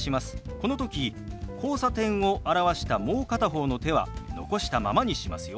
この時「交差点」を表したもう片方の手は残したままにしますよ。